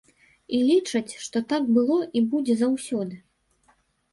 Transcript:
І лічаць, што так было і будзе заўсёды.